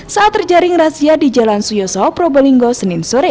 saat terjaring razia di jalan suyoso probolinggo senin sore